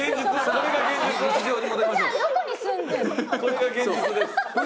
これが現実です。